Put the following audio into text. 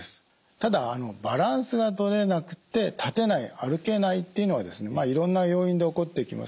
ただバランスがとれなくて立てない歩けないというのはいろんな要因で起こってきます。